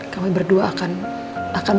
kami berdua akan